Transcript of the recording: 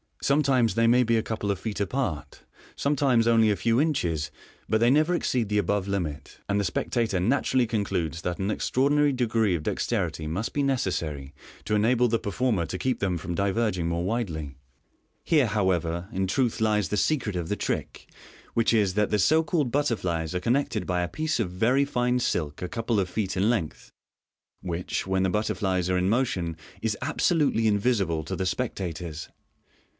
Sometimes they may be a couple of feet apart, sometimes only a few inches, but they never exceed the above limit 5 and the spectator 39» MODERN MAGIC. naturally concludes that an extraordinary degree of dexterity must be necessary to enable the performer to keep them from diverging more widely. Here, however, in truth lies the secret of the trick, which is, that the so called butterflies are connected by a piece of rery fine silk a couple of feet in length, which, when the butterflies are in motion, is absolutely invisible to the spectators.